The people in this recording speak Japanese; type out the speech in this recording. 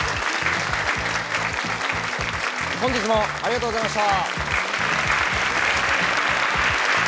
本日もありがとうございました。